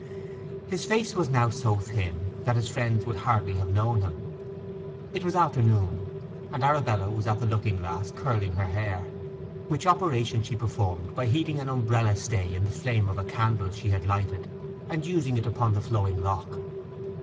His face was now so thin that his old friends would hardly have known him. It was afternoon, and Arabella was at the looking glass curling her hair, which operation she performed by heating an umbrella stay in the flame of a candle she had lighted, and using it upon the flowing lock.